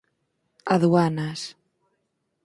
Aduanas